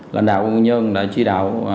lãnh đạo quy nhơn đã truy đạo